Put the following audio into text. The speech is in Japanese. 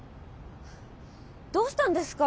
どうしたんですか？